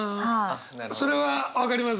それは分かります。